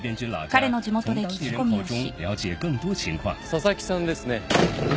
佐々木さんですね？